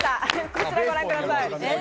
こちらご覧ください。